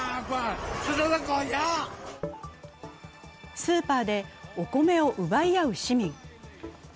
スーパーでお米を奪い合う市民。